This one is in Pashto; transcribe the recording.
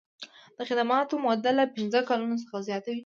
د خدمت موده له پنځه کلونو څخه زیاته وي.